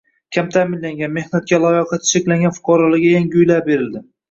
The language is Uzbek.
Kam ta’minlangan, mehnatga layoqati cheklangan fuqarolarga yangi uylar berildi